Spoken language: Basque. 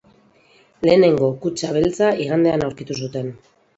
Lehenengo kutxa beltza igandean aurkitu zuten.